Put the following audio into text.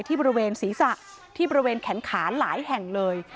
บริเวณศีรษะที่บริเวณแขนขาหลายแห่งเลย